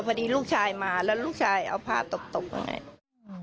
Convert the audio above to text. พอดีลูกชายมาแล้วลูกชายเอาผ้าตกอย่างนี้